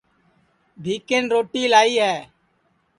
بھیکن روٹی لائی ہے